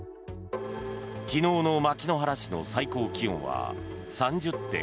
昨日の牧之原市の最高気温は３０．５度。